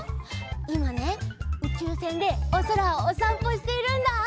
いまねうちゅうせんでおそらをおさんぽしているんだ！